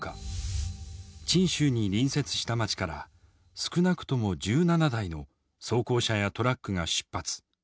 チン州に隣接した町から少なくとも１７台の装甲車やトラックが出発。